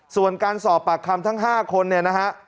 ส่วนการสอบปากคำทั้ง๕คนเนี่ยนะฮะ